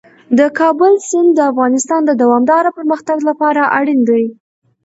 د کابل سیند د افغانستان د دوامداره پرمختګ لپاره اړین دی.